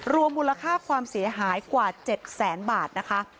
รวมมูลค่าความเสียหายกว่า๗แสนบาทนะคะ